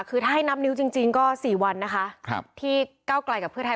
คือถ้าให้นับนิวจริงจริงก็สี่วันนะคะครับที่เก้ากลายกับเพื่อไทย